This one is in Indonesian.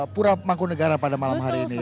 puromangkunegara pada malam hari ini ya